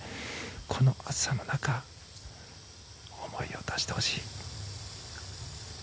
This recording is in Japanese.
この暑さの中思いを出してほしい。